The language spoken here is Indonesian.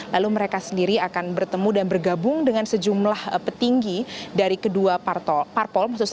lalu mereka sendiri akan bertemu dan bergabung dengan sejumlah petinggi dari kedua parpol